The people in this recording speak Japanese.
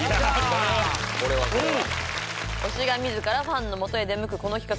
これはこれは推しが自らファンのもとへ出向くこの企画